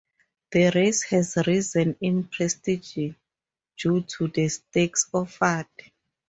The race has risen in prestige due to the stakes offered.